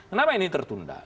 kenapa ini tertunda